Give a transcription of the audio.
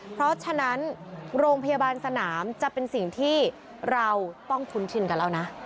เพราะฉะนั้นโรงพยาบาลสนามจะเป็นสิ่งที่เราต้องคุ้นชินกันแล้วนะ